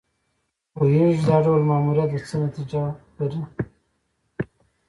پوهېږي چې دا ډول ماموریت څه نتیجه لري.